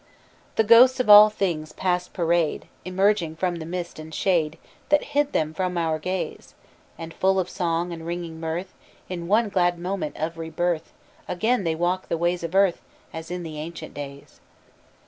The ghosts of all things, past parade, Emerging from the mist and shade That hid them from our gaze, And full of song and ringing mirth, In one glad moment of rebirth, Again they walk the ways of earth, As in the ancient days.